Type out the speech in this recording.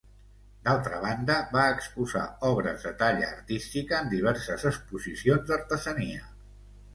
D'altra banda, va exposar obres de talla artística en diverses exposicions d'artesania.